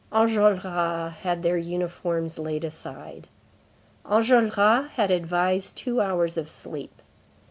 Enjolras had their uniforms laid aside. Enjolras had advised two hours of sleep.